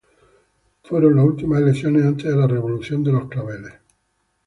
Fueron las últimas elecciones antes de la Revolución de los Claveles.